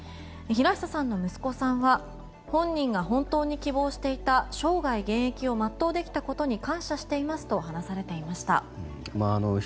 平久さんの息子さんは本人が本当に希望していた生涯現役を全うできたことに感謝していますと話されていました。